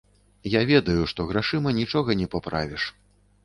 Я ведаю, што грашыма нічога не паправіш.